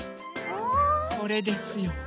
これですよ。